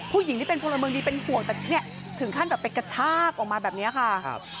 ผู้หญิงที่เป็นพลเมิงดีเป็นห่วงแต่ถึงขั้นไปกระชากออกมาแบบนี้ค่ะ